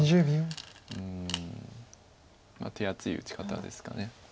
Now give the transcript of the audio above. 手厚い打ち方ですか。